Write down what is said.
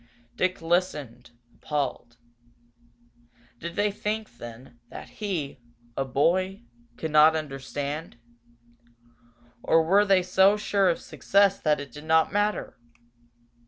Dick listened, appalled. Did they think, then, that he, a boy, could not understand? Or were they so sure of success that it did not matter?